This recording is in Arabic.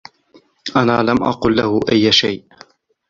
أنا لم أقل لهُ أي شئ.